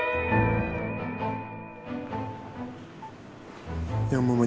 yang mau manja manjain semua kamu siapa